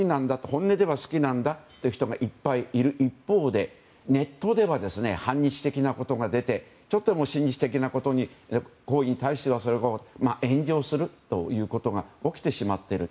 本音では好きなんだという人がいっぱいいる一方でネットでは、反日的なことが出てちょっと親日的な行為に対しては炎上するというようなことが起きてしまっている。